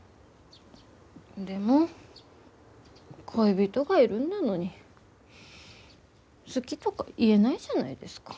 でも恋人がいるんだのに好きとか言えないじゃないですか。